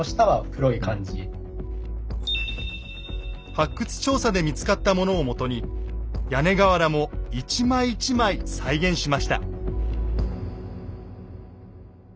発掘調査で見つかったものをもとに屋根瓦も一枚一枚再現しました。